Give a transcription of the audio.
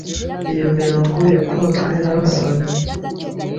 Iyo mirongo yakunzwe n’abasomyi